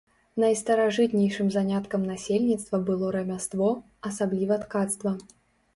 Найстаражытнейшым заняткам насельніцтва было рамяство, асабліва ткацтва.